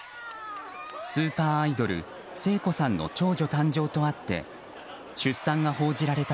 スーパーアイドル聖子さんの長女誕生とあって出産が報じられた